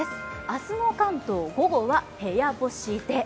明日の関東、午後は部屋干しで。